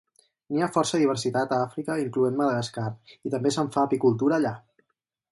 N'hi ha força diversitat a Àfrica incloent Madagascar, i també se'n fa apicultura allà.